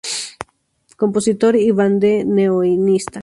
Compositor y Bandoneonista.